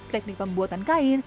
teknik pembuatan kain